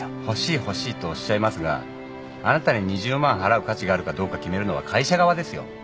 欲しい欲しいとおっしゃいますがあなたに２０万払う価値があるかどうか決めるのは会社側ですよ。